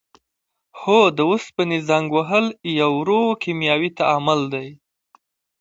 هو د اوسپنې زنګ وهل یو ورو کیمیاوي تعامل دی.